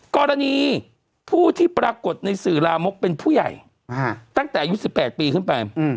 กรณีผู้ที่ปรากฏในสื่อลามกเป็นผู้ใหญ่ตั้งแต่อายุ๑๘ปีขึ้นไป